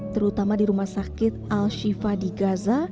terutama di rumah sakit al shiva di gaza